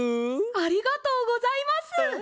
ありがとうございます！